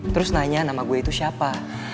terus nanya nama gue itu siapa